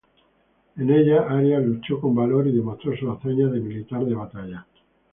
En ella Arias luchó con valor y demostró sus hazañas de militar de batalla.